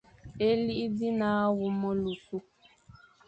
Éli zi é ne hagha wum melu ôsu,